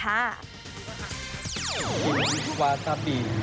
กินวาซาบี